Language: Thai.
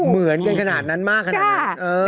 เหมือนกันขนาดนั้นมากขนาดนั้น